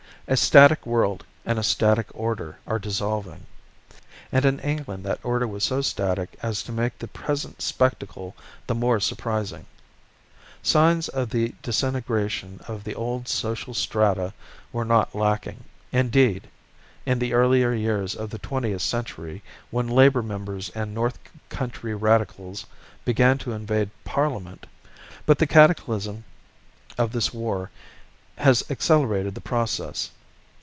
A static world and a static order are dissolving; and in England that order was so static as to make the present spectacle the more surprising. Signs of the disintegration of the old social strata were not lacking, indeed, in the earlier years of the twentieth century, when labour members and north country radicals began to invade parliament; but the cataclysm of this war has accelerated the process.